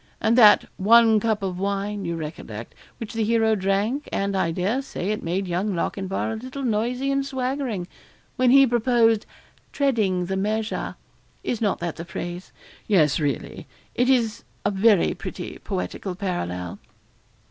And that "one cup of wine" you recollect which the hero drank; and, I dare say it made young Lochinvar a little noisy and swaggering, when he proposed "treading the measure" is not that the phrase? Yes, really; it is a very pretty poetical parallel.'